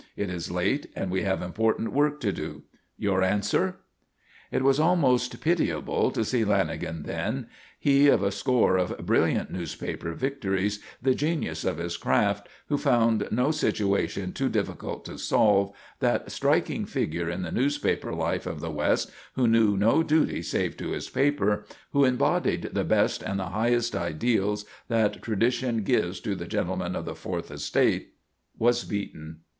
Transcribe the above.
It is late and we have important work to do. Your answer?" It was almost pitiable to see Lanagan then. He of a score of brilliant newspaper victories, the genius of his craft, who found no situation too difficult to solve, that striking figure in the newspaper life of the West who knew no duty save to his paper, who embodied the best and the highest ideals that tradition gives to the gentlemen of the Fourth Estate, was beaten.